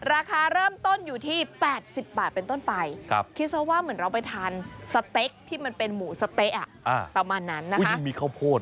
ราคาเริ่มต้นอยู่ที่๘๐บาทเป็นต้นไปคิดซะว่าเหมือนเราไปทานสเต็กที่มันเป็นหมูสะเต๊ะประมาณนั้นนะคะมีข้าวโพด